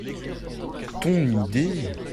Ton idée.